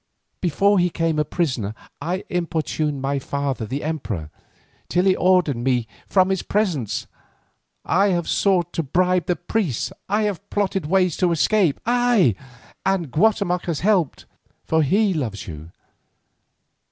Before he became a prisoner I importuned my father the emperor, till he ordered me from his presence. I have sought to bribe the priests, I have plotted ways of escape, ay, and Guatemoc has helped, for he loves you.